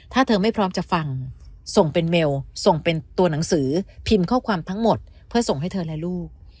ถ้าเธอไม่พร้อมจะฟังส่งเป็นเมลส่งเป็นตัวหนังสือพิมพ์ข้อความทั้งหมดเพื่อส่งให้เธอและลูก